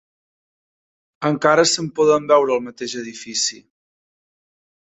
Encara se'n poden veure al mateix edifici.